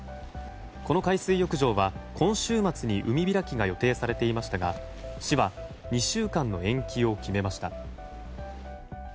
この海水浴場は今週末に海開きが予定されていましたが市は２週間の延期を決めました。